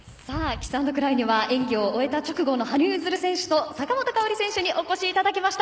キスアンドクライには演技を終えた直後の羽生結弦選手と坂本花織選手にお越しいただきました。